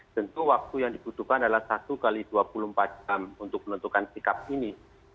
tentu waktu yang dibutuhkan adalah satu x dua puluh empat jam untuk menentukan sikap ini